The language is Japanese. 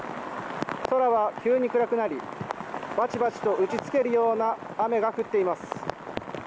空は急に暗くなりバチバチと打ち付けるような雨が降っています。